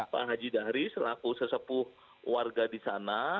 pak haji dahri selaku sesepuh warga di sana